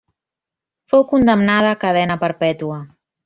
Fou condemnada a cadena perpètua.